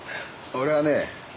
俺はね